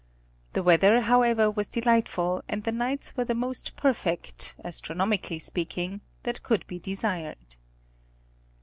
The weather however was delight ful, and the nights were the most perfect, astronomically speak ing, that could be desired.